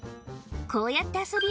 こうやって遊び